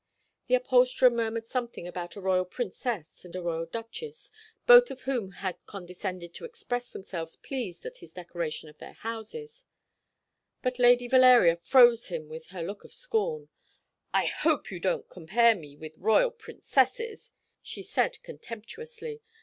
The upholsterer murmured something about a royal princess and a royal duchess, both of whom had condescended to express themselves pleased at his decoration of their houses; but Lady Valeria froze him with her look of scorn. "I hope you don't compare me with royal princesses," she said contemptuously.